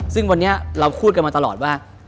ซึ่งวันนี้เราพูดกันมาตลอดว่า